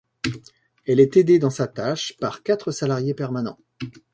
Elle est aidée dans sa tâche par quatre salariés permanents.